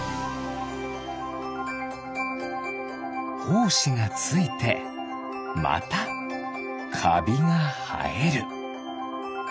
ほうしがついてまたかびがはえる。